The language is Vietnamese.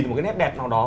một cái nét đẹp nào đó